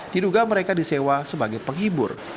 diduga mereka disewa sebagai penghibur